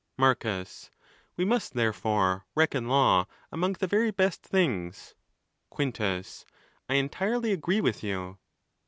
Marcus.—We must therefore reckon law among the very best things. Quintus.—I entirely agree with you.